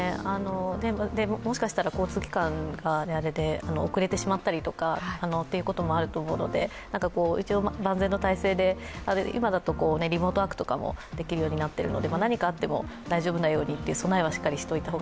もしかしたら交通機関が遅れてしまったりということもあると思うので一応、万全の体制で今だとリモートワークとかもできるようになってるので何かあっても大丈夫なように備えはしっかりしておいた方が